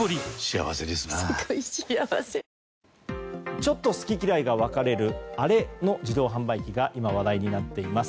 ちょっと好き嫌いが分かれる、あれの自動販売機が今、話題になっています。